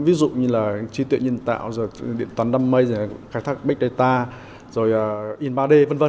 ví dụ như là trí tuệ nhân tạo điện toán đâm mây khai thác big data rồi in ba d v v